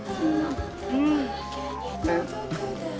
うん。